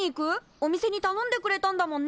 お店にたのんでくれたんだもんね。